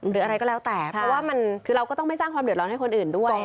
หรืออะไรก็แล้วแต่เพราะว่ามันคือเราก็ต้องไม่สร้างความเดือดร้อนให้คนอื่นด้วย